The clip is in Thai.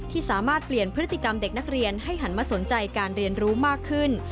สามารถเปลี่ยนพฤติกรรมเด็กนักเรียนให้หันมาสนใจการเรียนรู้มากขึ้น